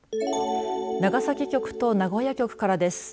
長崎局と名古屋局からです。